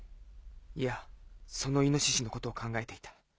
いやその猪のことを考えていた。